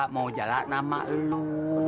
mau jalan sama lu